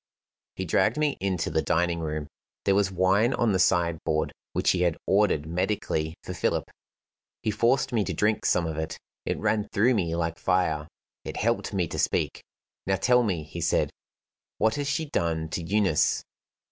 He dragged me into the dining room. There was wine on the side board, which he had ordered medically for Philip. He forced me to drink some of it. It ran through me like fire; it helped me to speak. "Now tell me," he said, "what has she done to Eunice?"